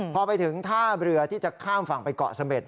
พอไปถึงท่าเรือที่จะข้ามฝั่งไปเกาะเสม็ด